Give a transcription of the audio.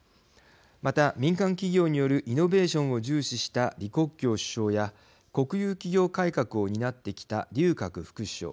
また、民間企業によるイノベーションを重視した李克強首相や国有企業改革を担ってきた劉鶴副首相